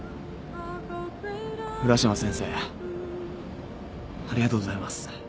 浦島先生ありがとうございます